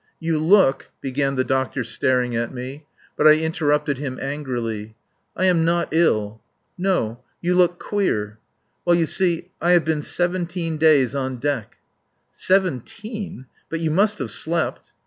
"You look " began the doctor staring at me. But I interrupted him angrily: "I am not ill." "No. ... You look queer." "Well, you see, I have been seventeen days on deck." "Seventeen! ... But you must have slept."